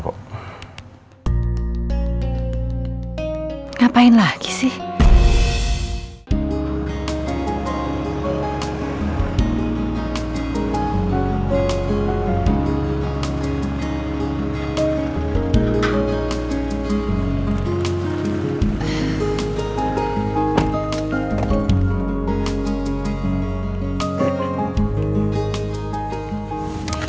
aku penasaran apa yang dia mau omongin soalnya